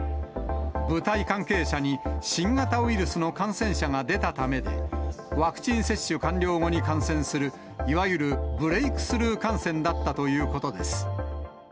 舞台関係者に新型ウイルスの感染者が出たためで、ワクチン接種完了後に感染する、いわゆるブレイクスルー感染だったということです。